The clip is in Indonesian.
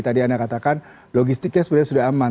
tadi anda katakan logistiknya sebenarnya sudah aman